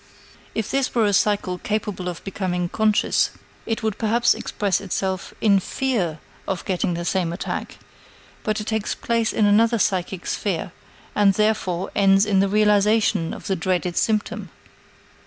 If this were a cycle capable of becoming conscious, it would perhaps express itself in fear of getting the same attack; but it takes place in another psychic sphere, and, therefore, ends in the realization of the dreaded symptom.